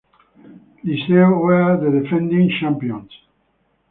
Liceo were the defending champions.